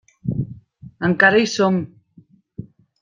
Encara hi som.